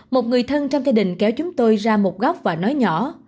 một người thân trong gia đình kéo chúng tôi ra một góc và nói nhỏ